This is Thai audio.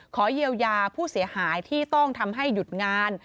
ขอเยียวยาผู้เสียหายที่ต้องทำให้หยุดงาน